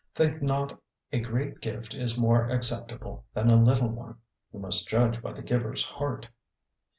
Think not a great gift is more acceptable than a little one. You must judge by the giver's heart.